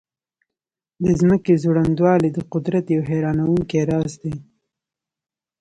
د ځمکې ځوړندوالی د قدرت یو حیرانونکی راز دی.